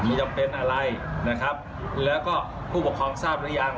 มีจำเป็นอะไรนะครับแล้วก็ผู้ปกครองทราบหรือยัง